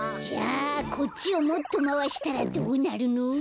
じゃこっちをもっとまわしたらどうなるの？